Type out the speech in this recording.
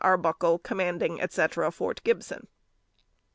ARBUCKLE, Commanding, etc., Fort Gibson."